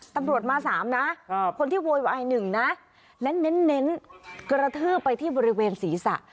ตำรวจมา๓นะคนที่โวยวาย๑นะเน้นกระทืบไปที่บริเวณศีรษะ